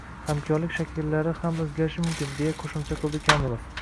Hamkorlik shakllari ham o‘zgarishi mumkin”, — deya qo‘shimcha qildi Komilov